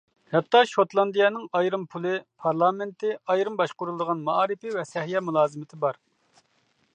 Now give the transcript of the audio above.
ھەتتا شوتلاندىيەنىڭ ئايرىم پۇلى، پارلامېنتى، ئايرىم باشقۇرۇلىدىغان مائارىپى ۋە سەھىيە مۇلازىمىتى بار.